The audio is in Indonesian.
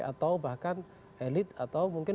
atau bahkan elit atau mungkin